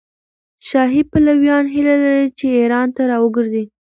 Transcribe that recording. شاهي پلویان هیله لري چې ایران ته راوګرځي.